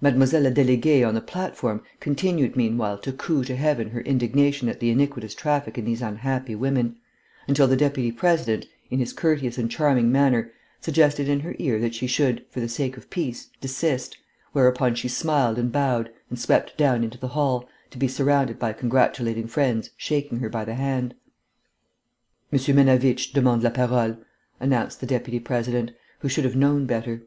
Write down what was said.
Mademoiselle la Déléguée on the platform continued meanwhile to coo to heaven her indignation at the iniquitous traffic in these unhappy women, until the Deputy President, in his courteous and charming manner, suggested in her ear that she should, for the sake of peace, desist, whereupon she smiled and bowed and swept down into the hall, to be surrounded by congratulating friends shaking her by the hand. "M. Menavitch demande la parole," announced the Deputy President, who should have known better.